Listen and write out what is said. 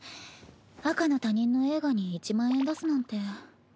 あかの他人の映画に１万円出すなんて。